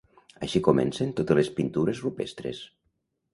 Així comencen totes les pintures rupestres.